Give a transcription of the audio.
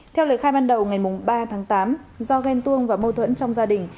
theo lời khai ban đầu ngày ba tháng tám do ghen tuông và mâu thuẫn trong gia đình